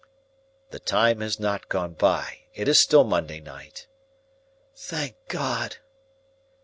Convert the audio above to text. "The time has not gone by. It is still Monday night." "Thank God!"